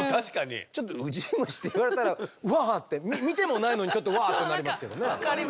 ちょっとウジ虫って言われたらうわって見てもないのにちょっとうわってなりますけどね。